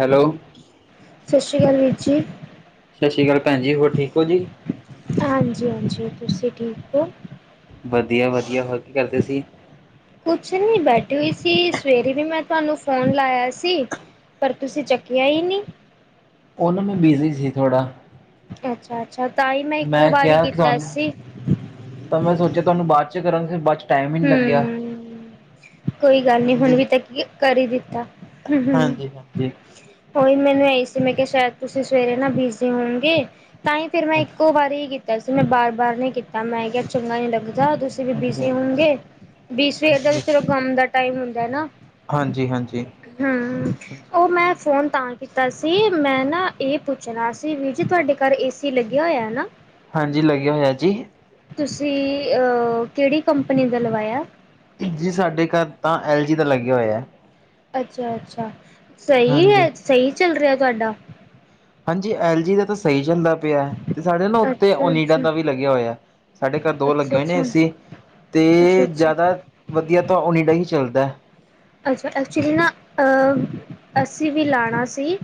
Hello ਸਤਿ ਸ੍ਰੀ ਅਕਾਲ ਵੀਰ ਜੀ ਸਤਿ ਸ਼੍ਰੀ ਅਕਾਲ ਭੈਣਜੀ ਹੋਰ ਠੀਕ ਹੋ ਜੀ। ਹਾਂਜੀ ਹਾਂਜੀ ਤੁਸੀਂ ਠੀਕ ਹੋ। ਵਧੀਆ ਵਧੀਆ ਹੋਰ ਕੀ ਕਰਦੇ ਸੀ। ਕੁਛ ਨੀ ਬੈਠੀ ਹੋਈ ਸੀ ਸਵੇਰੇ ਵੀ ਮੈਂ ਤੁਹਾਨੂੰ ਫੋਨ ਲਾਇਆ ਸੀ ਪਰ ਤੁਸੀਂ ਚੱਕਿਆ ਹੀ ਨਹੀਂ। ਉਹਨਾਂ ਮ ਬਿਜ਼ੀ ਸੀ ਥੋੜਾ ਅੱਛਾ ਅੱਛਾ ਤਾਂ ਹੀ ਮੈਂ ਇੱਕੋ ਵਾਰੀ ਕਿਹਾ ਕਿ ਕੀਤਾ ਤੁਹਾਨੂੰ ਸੀ। ਤਾਂ ਮੈਂ ਸੋਚਿਆ ਤੁਹਾਨੂੰ ਬਾਅਦ ਚ ਕਰਾਂ ਫਿਰ ਬ। ਹਮ ਕੋਈ ਗੱਲ ਨੀ ਹੁਣ ਹਾਂਜੀ ਵੀ ਤ ਕਰੀ ਦਿੱਤਾ ਹਮ ਹਮ ਹਾਂਜੀ ਹਾਂਜੀ ਉਹੀ ਮੈਨੂੰ ਇਹੀ ਸੀ ਮੈਂ ਕਿਹਾ ਸ਼ਾਇਦ ਤੁਸੀਂ ਸਵੇਰੇ ਨਾ ਬਿਜ਼ੀ ਹੋਣਗੇ ਤਾਂ ਹੀ ਫੇਿਰ ਮੈਂ ਇੱਕੋ ਵਾਰੀ ਵੈਸੇ ਮੈਂ ਬਾਰ ਬਾਰ ਨਹੀਂ ਕੀਤਾ ਮੈਂ ਕਿਹਾ ਚੰਗਾ ਨੀ ਲੱਗਦਾ ਤੁਸੀਂ ਵੀ ਬੀ ਹਾਂਜੀ ਹਾਂਜੀ ਸੀ ਹੁਣ ਵੀਸਵੇ ਫਿਰੋ ਕੰਮ ਦਾ ਟਾਈਮ ਹੁੰਦਾ ਨਾ ਹਾਂਜੀ ਹਾਂਜੀ ਹੂੰ ਉਹ ਮੈਂ ਫੋਨ ਤਾਂ ਕੀਤਾ ਸੀ ਮੈਂ ਨਾ ਇਹ ਪੁੱਛਣਾ ਸੀ ਵੀਰ ਜੀ ਤੁਹਾਡੇ ਘਰ ਇਸ ਏਸੀ ਲੱਗਿਆ ਹੋਇਆਾ ਹਾਂਜੀ ਲੱਗਿਆ ਹੋਇਆ ਜੀ। ਤੁਸੀਂ ਕਿਹੜੀ ਕੰਪਨੀ ਦਾ ਲਵਾਇਆ ਜੀ ਸਾਡੇ ਘਰ ਤਾਂ ਐੱਲ ਜੀ ਦਾ ਲੱਗੇਿਆ ਹੋਇਆ ਹੈ ਅੱਛਾ ਅੱਛਾ ਸਹੀ ਹਾਂਜੀ ਹੈ ਸਹੀ ਚੱਲ ਰਿਹਾ ਤੁਹਾਡਾ ਹਾਂਜੀ ਐਲ ਜੀ ਦਾ ਤਾਂ ਸਹੀ ਚੱਲਦਾ ਪਿਆ ਤੇ ਸਾਡੇ ਨਾ ਉੱਥਤੇ ਅੱਛਾ ਓਨੀਡਾ ਅੱਛਾ ਦਾ ਵੀ ਲੱਗਿਆ ਹੋਇਆ ਸਾਡੇ ਘਰ ਦੋ ਲੱਗੇ ਅੱਛਾ ਹੋਏ ਨੇ ਅੱਛਾ ਏਸੀ ਸੀ ਅੱਛਾ ਤੇ ਅੱਛਾ ਜ਼ਿਆਦਾ ਵਧੀਆ ਤਾਂ ਓਨਡਾ ਹੀ ਚੱਲਦਾ ਅੱਛਾ ਐਕਚੁਲੀ ਨਾ ਅਹ ਅਸੀਂ ਵੀ ਲਾਉਣਾ ਸੀ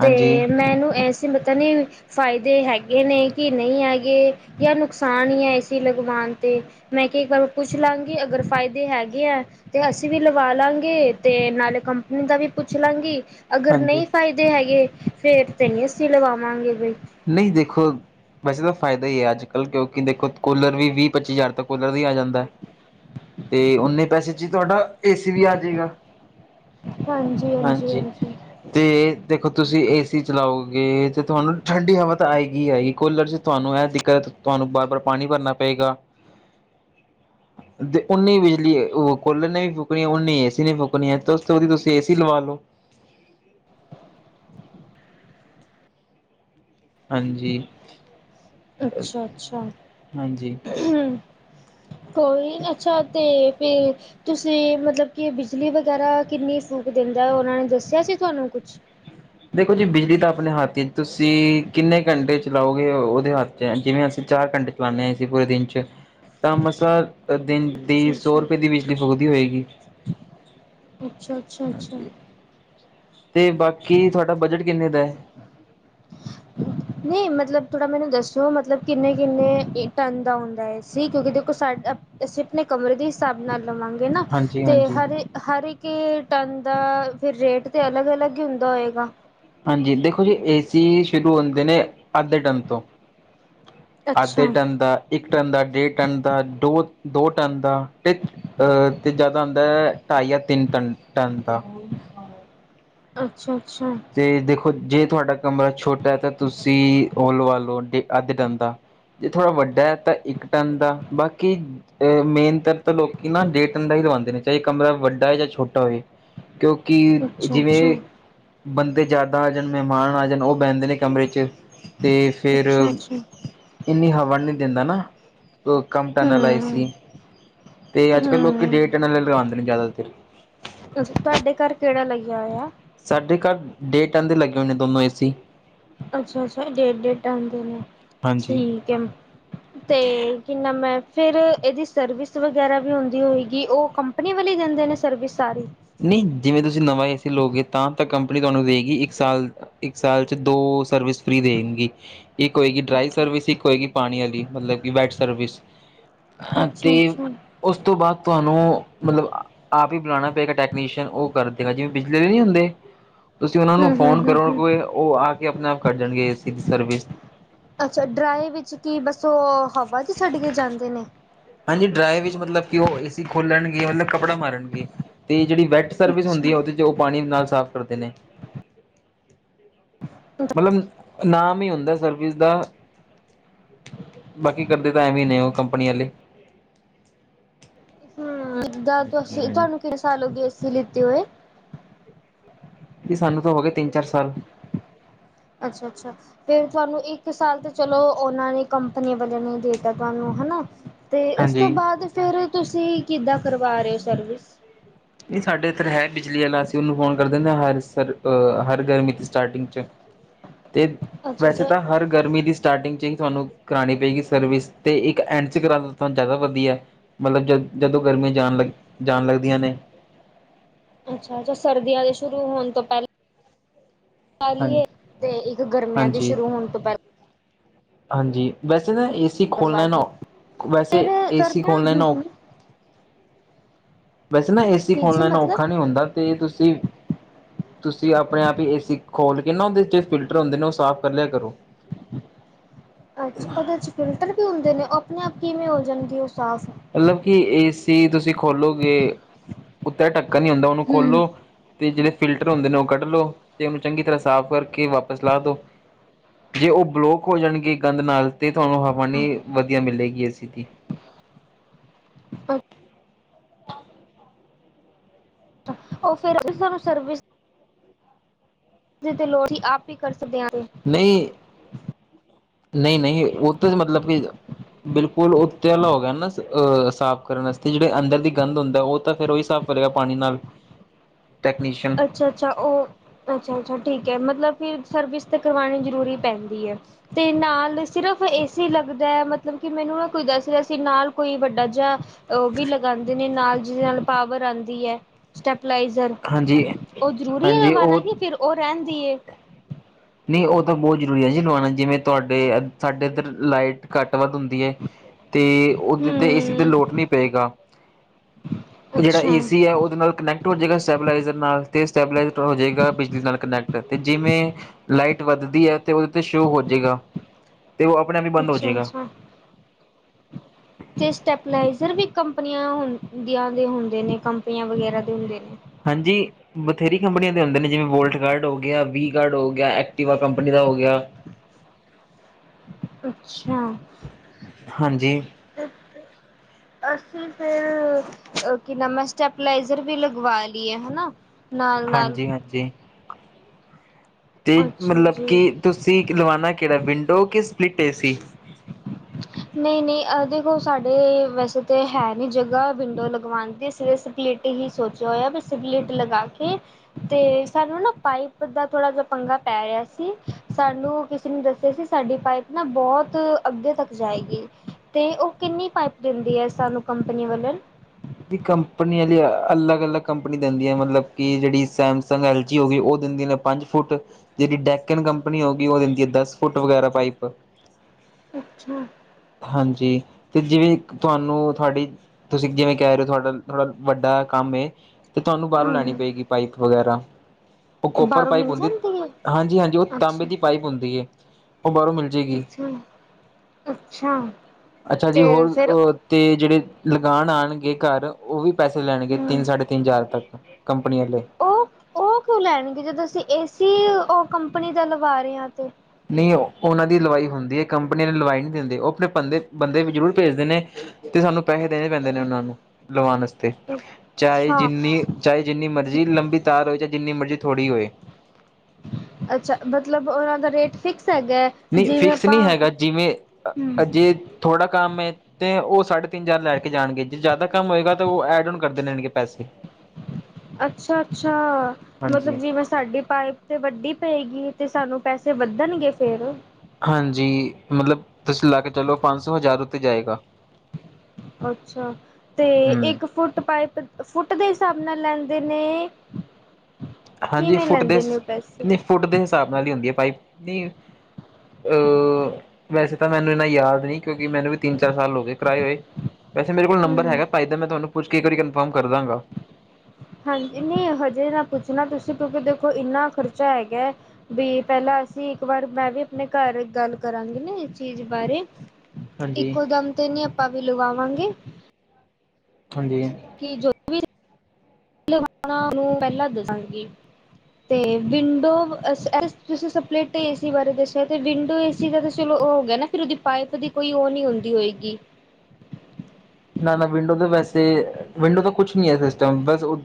ਤੇ ਮੈਨੂੰ ਐਸੀੇ ਪਤਾ ਨੀ ਫਾਇਦੇ ਹੈਗੇ ਨੇ ਕਿ ਨਹੀਂ ਹੈਗੇ ਜਾਂ ਨੁਕਸਾਨ ਹੀ ਹੈ ਏਸੀ ਲਗਵਾਉਣ 'ਤੇ ਮੈਂ ਕਿਹਾ ਵਾਰ ਪੁੱਛ ਲਾਂਗੀ ਅਗਰ ਫਾਇਦੇ ਹੈਗੇ ਹੈ ਤੇ ਅਸੀਂ ਵੀ ਲਵਾ ਲਾਂਗੇ ਤੇ ਨਾਲੇ ਕੰਪਨੀ ਦਾ ਵੀ ਪੁੱਛ ਲਾਂਗੀ ਅਗਰ ਹਾਂਜੀ, ਨਹੀਂ ਫਾਇਦਾ ਹੈਗੇ ਫੇਰ ਤੇ ਨੀ ਅੱਸੀਂ ਲਵਾਵਾਂਗੇ ਬਈ ਨਹੀਂ ਦੇਖੋ ਵੈਸੇ ਤਾਂ ਫਾਇਦਾ ਹੀ ਹੈ ਅੱਜ ਕੱਲ੍ਹ ਕਿਉਂਕਿ ਦੇਖੋ ਕੂਲਰ ਵੀਹ ਪੱਚੀ ਹਜ਼ਾਰ ਤ ਕੂਲਰ ਦਾ ਹੀ ਆ ਜਾਂਦਾ ਤੇ ਓਨੇ ਪੈਸੇ ਚ ਹੀ ਤੁਹਾਡਾ ਏਸੀ ਵੀ ਆ ਜਾਵੇਗਾ ਹਾਂਜੀ ਤੇ ਦੇਖੋ ਤੁਸੀਂ ਐਸੀ ਚਲਾਓਗੇ ਤੇ ਤੁਹਾਨੂੰ ਠੰਡੀ ਹਵਾ ਤਾਂ ਆਏਗੀ ਹੈਗੀ ਕੂਲਰ ਚ ਤੁਹਾਨੂੰ ਇਹ ਦਿੱਕਤ ਤੁਹਾਨੂੰ ਬਾਰ ਬਾਰ ਪਾਣੀ ਭਰਨਾ ਪਏਗਾ ਤੇ ਉਨੀ ਬਿਜਲੀ ਉਹ ਕੂਲਰ ਨੇ ਵੀ ਫੂਕਣੀ ਹੈ ਉਨੀ ਏਸੀ ਨੇ ਫੂਕਣੀ ਹੈ ਉਹਦੀ ਤੁਸੀਂ ਏਸੀ ਲਵਾ ਲਓ ਹਾਂਜੀ ਅੱਛਾ ਅੱਛਾ ਹਾਂਜੀ ਕੋਈ ਅੱਛਾ ਤੇ ਫਿਰ ਤੁਸੀਂ ਮਤਲਬ ਕਿ ਬਿਜਲੀ ਵਗੈਰਾ ਕਿੰਨੀ ਫੂਕ ਦਿੰਦਾ ਉਹਨਾਂ ਨੇ ਦੱਸਿਆ ਸੀ ਤੁਹਾਨੂੰ ਕੁਛ ਦੇਖੋ ਜੀ ਬਿਜਲੀ ਤਾਂ ਆਪਣੇ ਹੱਥ ਤੁਸੀਂ ਕਿੰਨੇ ਘੰਟੇ ਚਲਾਓਗੇ ਉਹਦੇ ਹੱਥ ਚ ਜਿਵੇਂ ਅਸੀਂ ਚਾਰ ਘੰਟੇ ਚਲਾੇ ਹਾਂ ਅਸੀ ਪੂਰੇ ਦਿਨ ਚ ਤਾਂ ਮਸਾ ਦਿਨ ਦੀ ਅੱਛਾ ਸੌ ਅੱਛਾ। ਰੁਪਏ ਦੀ ਬਿਜਲੀ ਫਕਦੀ ਹੋਏਗੀ ਅੱਛਾ ਅੱਾ ਹਾਂਜੀ ਤੇ ਬਾਕੀ ਤੁਹਾਡਾ ਬਜਟ ਕਿੰਨੇ ਦਾ ਹੈ ਹ ਨਹੀਂ ਮਤਲਬ ਥੋੜ੍ਹਾ ਮੈਨੂੰ ਦੱਸਿੋ ਮਤਲਬ ਕਿੰਨੇ ਕਿੰਨੇ ਟਨ ਦਾ ਹੁੰਦਾ ਹੈ ਸੀ ਕਿਉਂਕਿ ਦੇਖੋ ਸਾਡ ਅਸੀਂ ਆਪਣੇ ਕਮਰੇ ਦੇ ਹਿਸਾਬ ਨਾਲ ਲਵਾਂਗੇ ਨਾ ਹਾਂਜੀ ਤੇ ਹਾਂਜੀ ਹਰੇ ਹਰ ਇੱਕ ਟਨ ਦਾ ਫਿਰ ਰੇਟ ਤੇ ਅਲੱਗ ਅਲੱਗ ਹੀ ਹੁੰਦਾ ਹੋਏਗਾ ਹਾਂਜੀ ਦੇਖੋ ਜੀ ਏਸੀ ਸ਼ੁਰੂ ਹੁੰਦੇ ਨੇ ਅੱਧੇ ਟਨ ਤੋਂ ਅੱਧੇ ਅੱਛਾ ਟਨ ਦਾ ਇੱਕ ਟਨ ਦਾ ਡੇਢ ਟਨ ਦਾ ਦੋ ਦੋ ਟਨ ਦਾ ਅਹ ਤੇ ਜਿਆਦਾ ਆਉਂਦਾ ਹੈ ਢਾਈ ਜਾਂ ਤਿੰਨ ਟਨ ਟਨ ਦਾ ਅੱਛਾ ਅੱਛਾ ਤੇ ਦੇਖੋ ਜੇ ਤੁਹਾਡਾ ਕਮਰਾ ਛੋਟਾ ਹੈ ਤਾਂ ਤੁਸੀਂ ਓਲਵਾ ਲਓ ਡੇ ਅੱਧ ਡਨ ਦਾ ਜੇ ਥੋੜ੍ਹਾ ਵੱਡਾ ਹੈ ਤਾਂ ਇੱਕ ਟਨ ਦਾ ਬਾਕੀ ਮੇਨ ਤ ਤਾਂ ਲੋਕੀ ਨਾ ਡੇਢ ਦਾ ਹੀ ਲਵਾਉਂਦੇ ਨੇ ਚਾਹੇ ਕਮਰਾ ਵੱਡਾ ਹੈ ਜਾਂ ਛੋਟਾ ਹੋਵੇ ਕਿਉਂਕਿ ਅੱਛਾ ਜਿਵੇਂ ਅੱਛਾ। ਬੰਦੇ ਜ਼ਿਆਦਾ ਆ ਜਾਣ ਮਹਿਮਾਨ ਆ ਜਾਣ ਉਹ ਬਹਿੰਦੇ ਨੇ ਕਮਰੇ ਚ ਤੇ ਫਿਰ ਅੱਛਾ ਅੱਛਾ ਇਨੀ ਹਵਾ ਨਹੀਂ ਦਿੰਦਾ ਨਾ ਕੰਮ ਟਨ ਲਾਏ ਹੂੰ ਸੀ ਤੇ ਅੱਜ ਕੱਲ੍ਹ ਲੋਕ ਡੇਢ ਹੂੰ। ਟਨੇ ਲਗਾਉਂਦੇ ਨੇ ਜ਼ਿਆਦਾਤਰ ਤੁਹਾਡੇ ਘਰ ਕਿਹੜਾ ਲਈ ਆ ਹੋਇਆ ਸਾਡੇ ਘਰ ਡੇਟ ਦੇ ਲੱਗੇ ਹੋਣੇ ਦੋਨੋਂ ਏਸੀ ਅੱਛਾ ਅੱਛਾ ਡੇਢ ਡੇਢ ਡਨ ਦੇ ਨੇ ਹਾਂਜੀ ਠੀਕ ਹੈ ਤੇ ਕੀਨਾ ਮੈਂ ਫਿਰ ਇਹਦੀ ਸਰਵਿਸ ਵਗੈਰਾ ਵੀ ਹੁੰਦੀ ਹੋਏਗੀ ਉਹ ਕੰ ਕੰਪਨੀ ਵਾਲੇ ਦਿੰਦੇ ਨੇ ਸਰਵਿਸ ਸਾਰੀ ਨਹੀਂ ਜਿਵੇਂ ਤੁਸੀਂ ਨਵਾਂ ਏ ਸੀ ਲਓਗੇ ਤਾਂ ਤਾਂ ਕੰਪਨੀ ਤੁਹਾਨੂੰ ਦੇਵੇਗੀ ਇੱਕ ਸਾਲ ਇੱਕ ਸਾਲ ਚ ਦੋ ਸਰਵਿਸ ਫ੍ਰਰੀ ਦੇਣਗੀ। ਇੱਕ ਹੋਏਗੀ ਡਰਾਈ ਸਰਵਿਸ ਇੱਕ ਹੋਏਗੀ ਪਾਣੀ ਵਾਲੀ ਮਤਲਬ ਕਿ ਵੈਟ ਸਰਵਿਸ। ਹਾਂ ਤੇ ਅੱਛਾ-ਅੱਛਾ। ਉਸ ਤੋਂ ਬਾਅਦ ਤੁਹਾਨੂੰ ਮਤਲਬ ਆਪ ਹੀ ਬੁਲਾਉਣਾ। ਟੈਕਨੀੀਸੀ ਅਨ ਉਹ ਕਰਦੇ ਜਿਵੇਂ ਬਿਜਲੀ ਦੇ ਨਹੀਂੀ ਹੁੰਦੇ ਤੁਸੀਂ ਉਹਨਾ ਨੂੰ ਫੋਨ ਹੂੰ-ਹੂੰ-ਹੂੰ-ਹੂੰ ਕਰੋਗੇਗੇ। ਉਹ ਆ ਕੇ ਆਪਣੇ ਆਪ ਕਰ ਜਾਣਗੇ ਏ ਸੀ ਦੀ ਸਰਵਿਸ। ਅੱਛਾ, ਡਰਾਏ ਵਿੱਚ ਕੀ ਬੱਸ ਉਹ ਹਵਾ ਚ ਛੱਡ ਕੇ ਜਾਂਦੇ ਨੇ। ਹਾਂਜੀ, ਡਰਾਏ ਵਿੱਚ ਮਤਲਬ ਕਿ ਉਹ ਏਸੀ ਖੋਲਣਗੇ ਮਤਲਬ ਕੱਪੜਾ ਮਾਰਨਗੇ ਤੇ ਜਿਹੜੀ ਵੈਟ। ਸਰਵਿਸ ਅੱਛਾ। ਹੁੰਦੀ ਹੈ ਉਹਦੇ ਵਿਚ ਚ ਉਹ ਪਾਣੀ ਨਾਲ ਸਾਫ਼ ਕਰਦੇ ਨ। ਮਤਲਬ ਨਾਮ ਹੀ ਹੁੰਦਾ ਸਰਵਿਸ ਦਾ। ਬਾਕੀ ਕਰਦੇ ਤਾਂ ਐਵੇ ਹੀ ਨੇ ਉਹ ਕੰਪਨੀ ਵਾਲੇ। ਹੂੰ ਜਿੱਦਾਂ ਅਸੀਂ ਤੁਹਾਨੂੰ ਕਿੰਨ ਸਾਲ ਹੋ ਗਏ ਐਸੀ ਲਿੱਤੀ ਹੋਏ, ਵੀ ਸਾਨੂੰ ਤਾਂ ਹੋ ਗਏ ਤਿੰਨ ਚਾਰ ਸਾਲ। ਅੱਛਾ, ਅੱਛਾ। ਫਿਰ ਤੁਹਾਨੂੰ ਇੱਕ ਸਾਲ ਤਾਂ ਚਲੋ, ਉਹਨਾਂ ਨੇ ਕੰਪਨੀਆਂ ਵਾਲਿਆਂ ਨੇ ਦੇਤਾ ਤੁਹਾਨੂੰ ਹਨਾ। ਅਤੇ ਉਸ ਤੋਂ ਹਾਂਜੀ ਬਾਅਦ ਫਿਰ ਤੁਸੀਂ ਕਿੱਦਾਂ ਕਰਵਾ ਰਹੇ ਹੋ ਸਰਵਿਸ। ਨਹੀਂ ਸਾਡੇ ਇੱਧਰ ਹੈ, ਬਿਜਲੀ ਵਾਲਾ ਅਸੀਂ ਉਹਨੂੰ ਫੋਨ ਕਰ ਦਿੰਦੇ ਹ ਹਰ ਗਰਮੀ ਤੇ ਸਟਾਰਟਿੰਗ ਚ। ਤੇ ਵੈਸੇ ਅੱਛਾ-ਅੱਛਾ, ਤਾਂ ਹਰ ਗਰਮੀ ਦੀ। ਸਟਾਰਟਿੰਗ ਚ ਹੀ ਤੁਹਾਨੂੰ ਕਰਾਣੀ ਪਏਗੀ ਸਰਵਿਸ ਤੇ ਇੱਕ ਐਂਡ ਚ ਕਰਾਨੂੰ ਜ਼ਦਾ ਵਧੀਆ। ਮਤਲਬ ਜਦੋਂ ਗਰਮੀੀਆਂ ਜਾਣ ਲੱਗਦੀਆਂ ਨੇ। ਅੱਛਾਛ, ਸਰਦੀਆਂ ਦੇ ਸ਼ੁਰੂ ਹੋਣ ਤੋਂ ਪਹਿਲਾਂ। ਹਾਂਜੀ ਚੀਏ ਤੇ ਇੱਕ ਗਰਮੀਆਂ ਦੀ ਹਾਂਜੀ ਸ਼ੁਰੂ ਹੋਣ ਤੋਂ, ਪਹਿਲਾਂ। ਹਾਂਜੀ ਵੈਸੇ ਨਾ ਏ ਸੀ ਖੋਲ ਕਰਵਾ ਲੈਣਾ ਦੀਏ ਹੋ। ਵੈਸੇ ਫਿਰ ਏ ਸੀ ਸਰਦੀਆਂ ਖੋਲ ਲੈਣਾ ਹੂੰ ਹੋ। ਹੂੰ ਵੈਸੇ ਨਾ ਏਸੀ ਕੀ ਖੋਨ ਜੀ ਲੈਣਾ ਔਖਾ ਮਤਲਬ ਨੀ ਹੁੰਦਾ ਤੇ ਤੁਸੀਂ ਤੁਸੀਂ ਆਪਣੇ ਆਪ ਹੀ ਏਸੀ ਖੋਲ ਕੇ ਨਾ ਉਹਦੇ ਜਿਹੜੇ ਫਿਲਟਰ ਹੁੰਦੇ ਨੇ ਉਹ ਸਾਫ਼ ਕਰ ਲਿਆ ਕਰੋ। ਅੱਛਾ ਉਹਦੇ ਚ ਫਿਲਟਰ ਵੀ ਹੁੰਦੇ ਨੇ ਉਹ ਆਪਣੇ ਆਪ ਕਿਵੇਂ ਹੋ ਜਾਣਗੇ ਉਹ ਸਾਫ਼ ਮਤਲਬ ਕਿ ਏਸੀ ਤੁਸੀਂ ਖੋਲੋਗੇ ਉਤੇ ਟਕੇਨ ਨਿ ਹੁੰਦਾ ਉਹਨੂੰ ਹੂੰ ਖੋਲੋ ਤੇ ਜਿਹੜੇ ਫਿਲਟਰ ਹੁੰਦੇ ਨੇ ਉਹ ਕੱਢ ਲੋ ਤੇ ਉਹਨੂੰ ਚੰਗੀ ਤਰ੍ਹਾਂ ਸਾਫ਼ ਕਰਕੇ ਵਾਪਸ ਲਾ ਦੋ। ਜੇ ਉਹ ਬਲੋਕ ਹੋ ਜਾਣਗੇ ਗੰਦ ਨਾਲ ਤੇ ਤੁਹਾਨੂੰ ਹਵਾ ਨਿ ਵਧੀਆ ਮਿਲੇਗੀ ਐਸੀ। ਅੱਛਾ ਉਹ ਫੇਿਰ ਸਾਨੂੰ ਸਰਵਿਸ ਤੇ ਲੋੜ ਸੀ ਆਪ ਹੀ ਕਰ ਸਕਦੇ ਹਾਂ। ਨਹੀਂ, ਨਹੀਂ ਨਹੀਂ ਉਹ ਤਾਂ ਮਤਲਬ ਕਿ ਬਿਲਕੁਲ ਉੱਤੇ ਵਾਲਾ ਹੋ, ਗਿਆ ਨਾ ਅਹ ਸਾਫ਼ ਕਰਨ ਵਾਸਤੇ ਜਿਹੜੇ ਅੰਦਰ ਦੀ ਗੰਦ ਹੁੰਦਾ ਉਹ ਤਾਂ ਫਿਰ ਉਹੀ ਸਾਫ਼ ਪਰਿਆਂ ਪਾਣੀ ਨਾਲ। ਟੈਕਨੀਸ਼ੀਅਨ ਅੱਛਾ ਅੱਛਾ ਉਹ। ਅੱਛਾ ਅੱਛਾ ਠੀਕ ਹੈ, ਮਤਲਬ ਕਿ ਸਰਵਿਸ ਤੇ ਕਰਵਾਉਣੀ ਜ਼ਰੂਰੀ ਪੈਂਦੀ ਹੈ। ਤੇ ਨਾਲ ਸਿਰਫ ਐਸੀ ਲੱਗਦਾ ਹੈ, ਮਤਲਬ ਕਿ ਮੈਨੂੰ ਨਾ ਕੋਈ ਦੱਸ ਰਿਹਾ ਸੀ ਨਾਲ ਕੋਈ ਵੱਡਾ ਜਿਹਾ। ਉਹ ਵੀ ਲਗਾਉਂਦੇ ਨੇ ਨਾਲ ਜਿਹਦੇ ਨਾਲ ਪਾਵਰ ਆਉਂਦੀ ਹੈ ਸਟੈਪਲਾਈਜ਼ਰ। ਹਾਂਜੀ। ਉਹ ਜ਼ਰੂਰੀ ਹੈ ਹਾਂਜੀ ਲੈਵਣਨਾ ਉਹ ਕਿ ਫੇਿਰ ਉਹ ਰਹਿਿੰਦੀ। ਨਹੀਂ ਉਹ ਤਾਂ ਬਹੁਤ ਜ਼ਰੂਰੀ ਹੈ ਜੀ ਲਵਾਉਣਾ ਜਿਵੇਂ ਸਾਡੇ ਇੱਧਰ ਲਾਈਟ। ਘੱਟ ਵੱਧ ਹੁੰਦੀ ਹੈ ਤੇ ਉਹਦੇ ਤੇ ਇਸ ਤੇ ਹਮ ਲੋਇਡ ਨਹੀਂ ਪਏਗਾ। ਜਿਹੜਾ ਅੱਛਾ। ਏ ਸੀ ਹੈ ਉਹਦੇ ਨਾਲ ਕਨੈਕਟ। ਹੋ ਜਾਗਾ ਸਟੈਬਲਾਈਜਰ ਨਾਲ ਤੇ ਸਟੈਬਲਾਇਜ਼ਰ ਹੋ ਜਾਏਗਾ ਬਿਜਲੀ ਨਾਲ ਕਨੈਕਟ ਤੇ ਜਿਵੇਂ। ਲਾਈਟ ਵੱਧਦੀ ਹੈ, ਤੇ ਉਹਦੇ ਤੇ ਸ਼ੋਅ ਹੋ ਜਾਵੇਗਾ। ਤੇ ਉਹ ਆਪਣਾ। ਅੱਛਾ, ਅੱਛਾ। ਹ। ਤੇ ਸਟੈਪਲਾਇਜ਼ਰ ਵੀ ਕੰਪਨੀਆਂ ਦੀਆਂ ਹੁੰਦੇ ਨੇ ਕੰਪਨੀਆਂ ਦੇ ਹੁੰਦੇ ਨੇ। ਹਾਂਜੀ। ਬਥੇਰੀ ਕੰਪਨੀਆਂ ਦੇ ਹੁੰਦੇ ਨੇ, ਜਿਵੇਂ ਵੋਲਟ ਕਾਰਡ ਹੋ ਗਿਆ ਵੀਗਡ ਹੋ ਗਿਆ ਐਕਟੀਵਾ ਕੰਪਨੀ ਦਾ ਹੋ ਗਿਆ। ਅੱਛਾ। ਹਾਂਜੀ, ਅਸੀਂ ਫਿਰ ਅ ਕੀ ਨਾਮ ਸਟੈਪਲਾਈਜ਼ਰ ਵੀ ਲਗਵਾ ਲਈਏ ਹੈ ਨਾ। ਹਾਂਜੀ, ਹਾਂਜੀ। ਤੇ ਅੱਛਾ ਮਤਲਬ ਜੀ। ਕਿ ਤੁਸੀਂ ਲਵਾਨਾ ਕਿਹੜਾ? ਵਿੰਡੋ ਕਿ ਸਪਲਿਟ ਏ ਸੀ। [inaudible] ਨਹੀਂ ਨਹੀਂ, ਦੇਖੋ ਸਾਡੇ ਵੈਸੇ ਤਾਂ ਹੈ ਨੀ, ਜਗ੍ਹਾ ਵਿੰਡੋ ਲਗਵਾਉਣ ਦੀ ਸ ਸਟ ਇਹੀ ਸੋਚਿਆ ਹੋਇਆ, ਵੀ ਸਿਬਲੇਟ ਲਗਾ ਕੇ। ਤੇ ਸਾਨੂੰ ਨਾ ਪਾਈਪ ਦਾ ਥੋੜਾ ਜਿਹਾ ਪੰਗਾ ਪੈ ਰਿਹਾ ਸੀ। ਸਾਨੂੰ ਤੈਨੂੰ ਦੱਸਿਆ ਸੀ। ਸਾਡੀ ਪਾਈਪ ਨਾ ਬਹੁਤ ਅੱਗੇ ਤੱਕ ਜਾਏਗੀ ਤੇ ਉਹ ਕਿੰਨੀ ਪਾਈਪ ਦਿੰਦੀ ਹੈ। ਸਾਨੂੰ ਕੰਪਨੀ ਵੱਲੋਂ। ਵੀ ਕੰਪਨੀ ਵਾਲੀ ਅਲੱਗ ਅਲੱਗ ਕੰਪਨੀ ਦਿੰਦੀਆਂ ਮਤਲਬ ਕਿ ਜਿਹੜੀ ਸੈਮਸੰਗ, ਐਲ ਜੀ ਹੋ ਗਈ ਉਹ ਦਿੰਦੀ ਪੰਜ ਫੁੱਟ ਜਿਹੜੀ ਡੈਕਨ ਕੰਪਨੀ ਹੋ ਗਈ, ਉਹ ਦਿੰਦੀ ਹੈ। ਦਸ ਫੁੱਟ ਵਗੈਰਾ ਪਾਈਪ ਅੱਛਾ। ਹਾਂਜੀ, ਤੇ ਜਿਵੇਂ ਤੁਹਾਨੂੰ ਤੁਹਾਡੀ ਤੁਸੀਂ ਜਿਵੇਂ ਕਹਿ ਰਹੇ ਹੋ। ਤੁਹਾਡਾ ਥੋਡਾ ਵੱਡਾ ਕੰਮ ਏ ਤੇ ਤੁਹਾਨੂੰ ਬਾਹਰੋਂ ਲੈਣੀ ਹੂੰ ਪਏਗੀ। ਪਾਈਪ ਵਗੈਰਾ ਉਹ ਕੋਪਰ ਬਾਹਰੋਂ ਪਾਈਪ ਮਿਲ ਹੁੰਦੀ। ਜਾਂਦੀ ਹੈ ਹਾਂਜੀ ਹਾਂਜੀ ਉਹ ਤਾਂਬੇ ਦੀ ਪਾਈਪ ਹੁੰਦੀ ਹੈ। ਉਹ ਬਾਹਰੋਂ ਮਿਲ ਜਾਏਗੀ ਅੱਛਾ, ਅੱਛਾ। ਅੱਛਾ ਜੀ, ਤੇ ਫਿਰ ਹੋਰ ਤੇ ਜਿਹੜੇ ਲਗਾਨ ਆਉਣਗੇ ਘਰ ਉਹ ਵੀ ਪੈਸੇ ਲੈਣਗੇ, ਹੂੰ ਤਿੰਨ ਸਾਢੇ ਤਿੰਨ ਹਜ਼ਾਰ ਤੱਕ ਕੰਪਨੀ ਵਾਲੇ। ਓ ਓ ਕਿਉਂ ਲੈਣਗੇ। ਜਦੋਂ ਅਸੀਂ ਏਸੀ ਓ ਕੰਪਨੀ ਦਾ ਲਵਾ ਰਹੇ ਹਾਂ, ਤੇ ਨਹੀਂ ਉਹਨਾਂ ਦੀ ਲਵਾਈ ਹੁੰਦੀ ਹੈ। ਕੰਪਨੀ ਨੇ ਲਵਾਈ ਨਹੀਂ ਦਿੰਦੇ। ਉਹ ਆਪਣੇ ਬੰਦੇ ਬੰਦੇ ਜ਼ਰੂਰ ਭੇਜਦੇ ਨੇ। ਤੇ ਸਾਨੂੰ ਪੈਸੇ ਦੇਣੇ ਪੈਂਦੇ ਨੇ, ਉਹਨਾਂ ਨੂੰ ਲਵਾਉਣ ਵਾਸਤੇ ਚਾਹੇ ਅੱਛਾ ਜਿੰਨੀ ਚਾਹੇ ਜਿੰਨੀ ਮਰਜ਼ੀ ਲੰਬੀ ਤਾਰ ਹੋਏ, ਚਾਹੇ ਜਿੰਨੀ ਮਰਜ਼ੀ ਥੋੜ੍ਹੀ ਹੋਏ। ਅੱਛਾ! ਮਤਲਬ ਉਹਨਾਂ ਦਾ ਰੇਟ ਫਿਕਸ ਹੈਗਾ ਹੈ ਨਹੀਂ ਜਿਵੇਂ ਫਿਕਸ ਨਹੀਂ ਆਪਾਂ ਹੈਗਾ, ਜਿਵੇਂ ਹੂੰ ਜੇ ਥੋੜ੍ਹਾ ਕੰਮ ਹੈ। ਤੇ ਉਹ ਸਾਢੇ ਤਿੰਨ ਹਜ਼ਾਰ ਲੈ ਕੇ ਜਾਣਗੇ। ਜੇ ਜ਼ਿਆਦਾ ਕੰਮ ਹੋਏਗਾ, ਤਾਂ ਉਹ ਐਡ ਹੁਣ ਕਰਦੇ ਰੈਣਗੇ ਪੈਸੇ। [inaudible] ਅੱਛਾ ਅੱਛਾ, ਮਤਲਬ ਹਾਂਜੀ ਜਿਵੇਂ ਸਾਡੀ ਪਾਈਪ ਤੇ ਵੱਡੀ ਪਏਗੀ, ਤੇ ਸਾਨੂੰ ਪੈਸੇ ਵੱਧਣਗੇ ਫੇਰ, ਹਾਂਜੀ, ਮਤਲਬ ਤੁਸੀਂ ਲਾ ਕੇ ਚਲੋ ਪੰਜ ਸੌ ਹਜ਼ਾਰ ਉੱਤੇ ਜਾਏਗਾ। ਅੱਛਾ, ਤੇ ਹਮ ਇੱਕ ਫੁੱਟ ਪਾਈਪ ਫੁੱਟ ਦੇ ਹਿਸਾਬ ਨਾਲ ਲੈਂਦੇ ਨੇ। ਹਾਂਜੀ, ਕਿਵੇਂ ਫੁੱਟ ਦੇ ਲੈਂਦੇ ਨੇ ਉਹ ਪੈਸੇ ਨਹੀਂ ਫੁੱਟ ਦੇ ਹਿਸਾਬ ਨਾਲ ਹੀ ਹੁੰਦੀ ਹੈ। ਪਾਈਪ ਨਹੀਂ। ਅ ਵੈਸੇ ਤਾਂ ਮੈਨੂੰ ਇੰਨਾ ਯਾਦ ਨੀ ਕਿਉਂਕਿ ਮੈਨੂੰ ਵੀ ਤਿੰਨ ਚਾਰ ਸਾਲ ਹੋ ਗੇ ਕਰਾਏ ਹੋਏ। ਵੈਸੇ ਮੇਰੇ ਕੋਲ ਨੰਬਰ ਹੂੰ ਹੈਗਾ, ਭਾਈ ਦਾ ਮੈਂ ਤੁਹਾਨੂੰ ਪੁੱਛ ਕੇ ਇੱਕ ਵਾਰੀ ਕਨਫਰਮ ਕਰਾਂਗਾ। ਹਾਂਜੀ, ਨਹੀਂ ਹਜੇ ਨਾ ਪੁੱਛਣਾ, ਤੁਸੀਂ ਕਿਉਂਕਿ ਦੇਖੋ ਇੰਨਾ ਖ਼ਰਚਾ ਹੈਗਾ ਹੈ। ਵੀ ਪਹਿਲਾਂ ਅਸੀਂ ਇੱਕ ਵਾਰ ਮੈਂ ਵੀ ਆਪਣੇ ਘਰ ਗੱਲ ਕਰਾਂਗੀ, ਨਾ ਇਸ ਚੀਜ਼ ਬਾਰੇ। ਹਾਂਜੀ। ਇੱਕੋ ਦਮ ਤੇ ਨੀ, ਆਪਾਂ ਵੀ ਲਗਾਵਾਂਗੇ। ਹਾਂਜੀ। ਕਿ ਜੋ ਵੀ ਨੂੰ ਪਹਿਲਾਂ ਦੱਸਾਂਗੀ। [unintelligible] ਤੇ ਵਿੰਡੋ ਤੁਸੀਂ ਸਪਰੇਟ ਏ ਸੀ ਬਾਰੇ ਦੱਸਿਆ, ਤੇ ਵਿੰਡੋ ਏ ਦਾ ਤੇ ਚਲੋ। ਉਹ ਹੋ ਗਿਆ ਨਾ, ਫਿਰ ਉਹਦੀ ਪਾਈਪ ਦੀ ਕੋਈ ਉਹ ਨਹੀਂ ਹੁੰਦੀ ਹੋਏਗੀ। ਨਾ ਨਾ ਵਿੰਡੋ ਤਾਂ ਵੈਸੇ ਵਿੰਡੋ ਦਾ ਕੁਛ ਨਹੀਂ ਹੈ। ਸਿਸਟਮ ਬਸ ਓ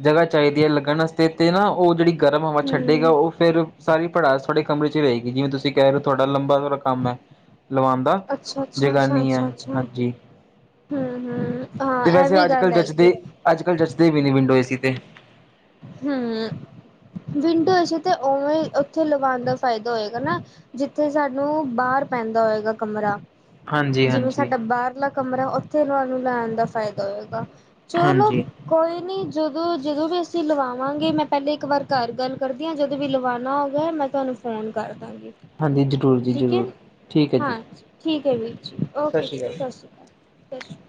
ਜਗ੍ਹਾ ਚਾਈਦੀ ਐ ਲੱਗਣ ਵਾਸਤੇ ਤੇ ਨਾ, ਓ ਜੇੜੀ ਗਰਮ ਹਵਾ ਛੱਡੇਗਾ ਹਮ ਓ ਫਿਰ ਸਾਰੀ ਭੜਾਸ ਥੋਡੇ ਕਮਰੇ ਚ ਈ ਰਏਗੀ ਜਿਵੇਂ ਤੁਸੀਂ ਕਹਿ ਰਹੇ ਥੋਡਾ ਲੰਬਾ ਸਾਰਾ ਕੰਮ ਐ, ਲਵਾਣ ਦਾ ਅੱਛਾ ਅੱਛਾ ਅੱਛਾ ਜਗਾਨੀ ਆ, ਅੱਛਾ ਅੱਛਾ ਹਾਂਜੀ ਹਮ ਹਮ ਤੇ ਹਾਂ ਇਹ ਵੀ ਵੈਸੇ ਅੱਜ ਗੱਲ ਕੱਲ੍ਹ ਹੈਗੀ ਜਚਦੇ ਅੱਜ ਕੱਲ੍ਹ ਜੱਚਦੇ ਵੀ ਨਹੀਂ ਵਿੰਡੋ ਏ ਸੀ 'ਤੇ ਹਮ ਵਿੰਡੋ ਏ ਸੀ ਤੇ ਉਵੇਂ ਉੱਥੇ ਲਗਾਉਣ ਦਾ ਫਾਇਦਾ ਹੋਏਗਾ ਨਾ ਜਿੱਥੇ ਸਾਨੂੰ ਬਾਹਰ ਪੈਂਦਾ ਹੋਏਗਾ ਕਮਰਾ ਹਾਂਜੀ ਜਿਵੇਂ ਹਾਂਜੀ ਸਾਡਾ ਬਾਹਰਲਾ ਕਮਰਾ ਉੱਥੇ ਤੁਹਾਨੂੰ ਲੈਣ ਦਾ ਫਾਇਦਾ ਹੋਏਗਾ ਚਲੋ ਹਾਂਜੀ ਕੋਈ ਨੀ ਜਦੋਂ ਜਦੋਂ ਵੀ ਅਸੀਂ ਲਵਾਵਾਂਗੇ ਮੈਂ ਪਹਿਲੇ ਇੱਕ ਵਾਰ ਘਰ ਗੱਲ ਕਰਦੀ ਹਾਂ ਜਦੋਂ ਵੀ ਲਵਾਉਣਾ ਹੋ ਗਿਆ ਮੈਂ ਤੁਹਾਨੂੰ ਫੋਨ ਕਰ ਦਾਂਗੇ ਹਾਂਜੀ ਜ਼ਰੂਰ ਜੀ ਠੀਕ ਹੈ ਜ਼ਰੂਰ ਠੀਕ ਹੈ ਜੀ ਹਾਂਜੀ ਠੀਕ ਹੈ ਵੀਰ ਜੀ ਓਕੇ ਜੀ ਸਤਿ ਸ਼੍ਰੀ ਅਕਾਲ ਸਤਿ ਸ਼੍ਰੀ ਅਕਾਲ